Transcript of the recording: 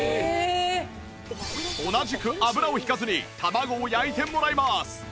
同じく油を引かずに卵を焼いてもらいます